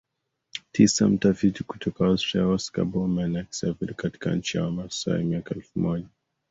Tisa Mtafiti kutoka Austria Oscar Baumann akisafiri katika nchi ya Wamasai miaka elfu moja